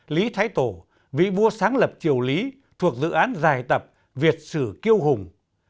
lý thái tổ vị vua sáng lập triều lý thuộc dự án dài tập việt sử kiêu hùng